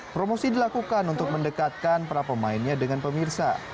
promosi dilakukan untuk mendekatkan para pemainnya dengan pemirsa